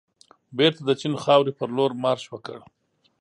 بېرته د چین خاورې پرلور مارش وکړ.